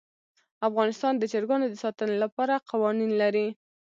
افغانستان د چرګانو د ساتنې لپاره قوانین لري.